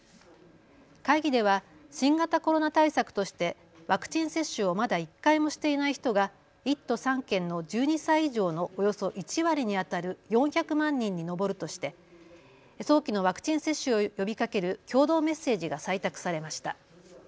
会議では新型コロナ対策としてワクチン接種をまだ１回もしていない人が１都３県の１２歳以上のおよそ１割にあたる４００万人に上るとして早期のワクチン接種を呼びかける共同メッセージが採択されました。